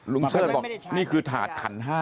ลุงเซิร์ชบอกนี่คือถาดขัน๕